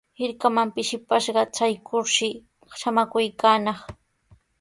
Hirkaman pishipashqa traykurshi samaykunaq.